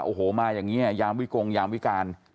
โอ้โหมาอย่างนี้ยามวิกงยามวิการ